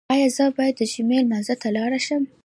ایا زه باید د جمعې لمانځه ته لاړ شم؟